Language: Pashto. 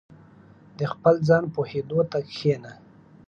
• د خپل ځان پوهېدو ته کښېنه.